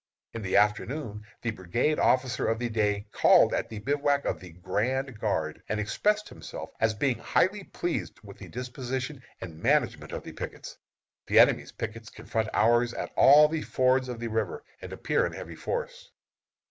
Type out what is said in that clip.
In the afternoon the brigade officer of the day called at the bivouac of the "grand guard," and expressed himself as being highly pleased with the disposition and management of the pickets. The enemy's pickets confront ours at all the fords of the river, and appear in heavy force.